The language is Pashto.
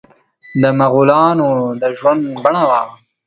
د مغولانو د ژوند بڼه وه.